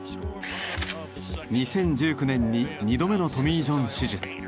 ２０１９年に２度目のトミー・ジョン手術。